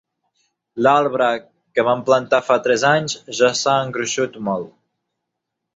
L'arbre que vam plantar fa tres anys ja s'ha engruixit molt.